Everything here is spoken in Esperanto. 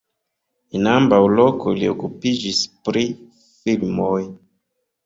En ambaŭ lokoj li okupiĝis pri filmoj.